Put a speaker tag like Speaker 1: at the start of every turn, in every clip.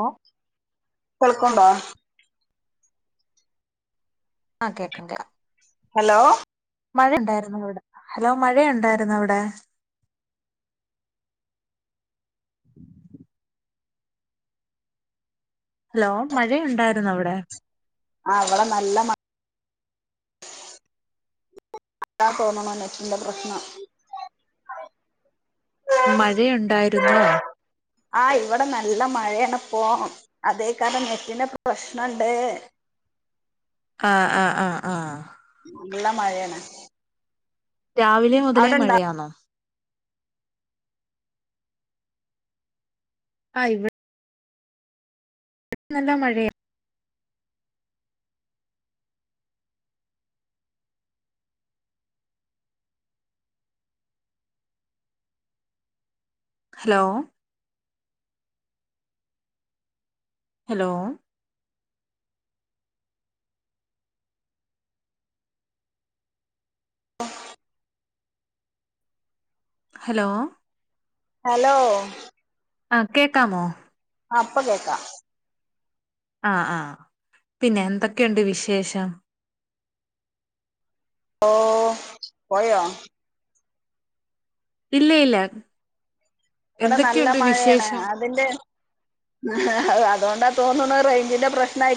Speaker 1: ഓഹ്
Speaker 2: സ്കൂൾക്കോവ് ണ്ടോ
Speaker 1: ആഹ് കേക്കാം കേക്കാം
Speaker 2: ഹലോ
Speaker 1: മഴയുണ്ടായിരുന്നൊ അവിടെ ഹലോ മഴയുണ്ടായിരുന്നോ അവിടെ ഹലോ മഴയുണ്ടായിരുന്നൊ അവിടെ
Speaker 2: ആഹ് ഇവിടെ നല്ല മ അതാ തോന്നണു നെറ്റിന്റെ പ്രശ്നം
Speaker 1: മഴയുണ്ടായിരുന്നോ
Speaker 2: ആഹ് ഇവിടെ നല്ല മഴയാപ്പോ അതേക്കാരം നെറ്റിന്റെ പ്രശ്നണ്ട്
Speaker 1: ആഹ് ആഹ് ആഹ് ആഹ്
Speaker 2: ള്ള മഴയാണ്
Speaker 1: രാവിലെ മുതലേ
Speaker 2: അവിടെ ഇണ്ടാ
Speaker 1: മഴയാന്നോ ആഹ് ഇവി നല്ല മഴയാ ഹലോ ഹലോ
Speaker 2: [inaudible]
Speaker 1: ഹലോ
Speaker 2: ഹലോ
Speaker 1: ആഹ് കേക്കാമോ
Speaker 2: ആഹ് പ്പ കേക്കാം
Speaker 1: ആഹ് ആഹ് പിന്നെ എന്തൊക്കെയുണ്ട് വിശേഷം
Speaker 2: ഓഹ് പോയോ
Speaker 1: ഇല്ലയില്ല
Speaker 2: ഇവിടെ നല്ല മഴയാണ്
Speaker 1: വിശേഷം
Speaker 2: അതിന്റെ അതോണ്ടാ തോന്ന്ണ് റേഞ്ചിന്റെ പ്രശ്ന ആ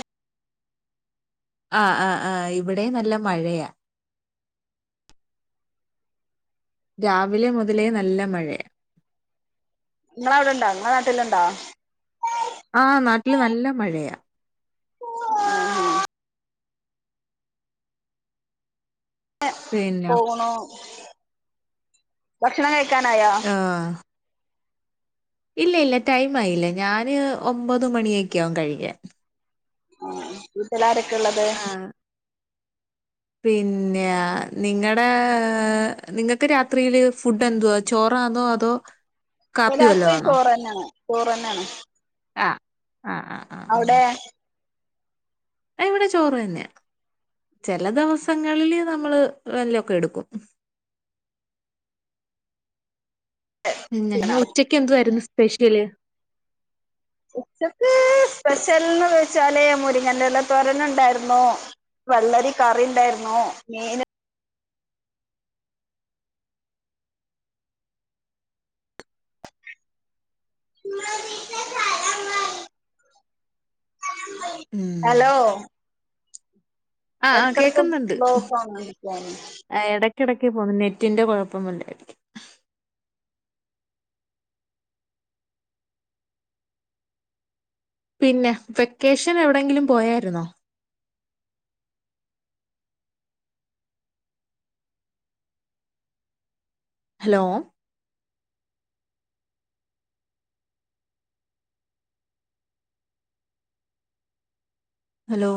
Speaker 1: ആഹ് ആഹ ആഹ് ഇവിടേം നല്ല മഴയാ രാവിലെ മുതലേ നല്ല മഴയാ
Speaker 2: ഇങ്ങളെ അവിടെണ്ടോ നിങ്ങളെ നാട്ടിലുണ്ടോ
Speaker 1: ആഹ് നാട്ടില് നല്ല മഴയ
Speaker 2: ഇങ്ങനെ
Speaker 1: പിന്നെ
Speaker 2: പോണോ ഭക്ഷണം കഴിക്കാനായോ
Speaker 1: ആ ഇല്ല ഇല്ല ടൈം ആയില്ല ഞാന് ഒമ്പത് മണിയൊക്കെ ആകും കഴിക്കാൻ
Speaker 2: ആ വീട്ടിലാരൊക്കെ ഇള്ളത്
Speaker 1: ആഹ്. പിന്നെ നിങ്ങടെ നിങ്ങൾക്ക് രാത്രിയില് ഫുഡ് എന്തുവാ ചോറാന്നോ അതോ കാപ്പി വല്ലോം
Speaker 2: രാത്രി
Speaker 1: ആണോ?
Speaker 2: ചോറ് തന്നെയാണ് ചോറ് തന്നെ ആണ്
Speaker 1: ആഹ് ആഹ് ആ ആ
Speaker 2: അവിടെ
Speaker 1: ഇവിടെ ചോറ്ന്നെയാ ചെല ദിവസങ്ങളില് നമ്മള് വല്ലൊക്കെ എടുക്കും ഇന്ന് ഉച്ചക്ക് എന്തുവാരുന്നു സ്പെഷ്യല്
Speaker 2: ഉച്ചക്ക് സ്പെഷ്യൽന്ന് ചോയിച്ചാൽ മുരിങ്ങന്റെല്ല തൊരൻണ്ടായിരുന്നു വെള്ളരി കറിണ്ടായിരുന്നു മീൻ
Speaker 1: ഉം
Speaker 2: ഹലോ
Speaker 1: ആഹ് ആഹ്
Speaker 2: എടക്കേട്ക്ക് ബ്ലോക്ക് ആവ്ണ്ട് ഫോൺ
Speaker 1: ആ ഇടയ്ക്കിടയ്ക്ക് പോകുന്നു നെറ്റിന്റെ കൊഴപ്പം വല്ലായിരിക്കും പിന്നെ വെക്കേഷൻ എവിടെങ്കിലും പോയായിരുന്നോ ഹലോ ഹലോ